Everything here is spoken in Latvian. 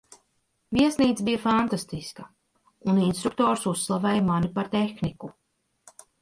Viesnīca bija fantastiska, un instruktors uzslavēja mani par tehniku.